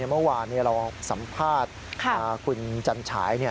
เมื่อวานเราสัมภาษณ์คุณจันฉาย